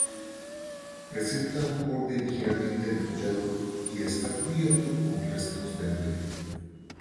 Presenta un borde ligeramente enrollado y está cubierto con restos del velo.